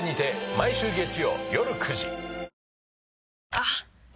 あっ！